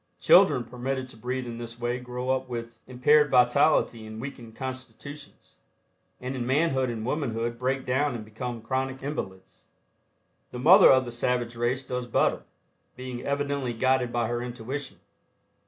Children permitted to breathe in this way grow up with impaired vitality and weakened constitutions, and in manhood and womanhood break down and become chronic invalids. The mother of the savage race does better, being evidently guided by her intuition.